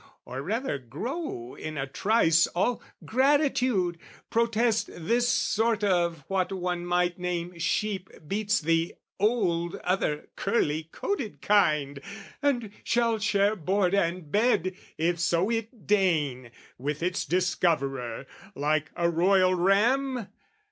Or rather grow in a trice all gratitude, Protest this sort of what one might name sheep Beats the old other curly coated kind, And shall share board and bed, if so it deign, With its discoverer, like a royal ram?